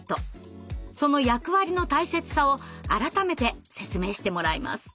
その役割の大切さを改めて説明してもらいます。